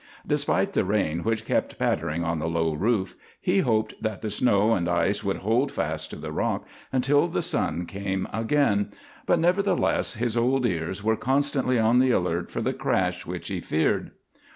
Despite the rain which kept pattering on the low roof, he hoped that the snow and ice would hold fast to the rock until the sun came again; but nevertheless his old ears were constantly on the alert for the crash which he feared.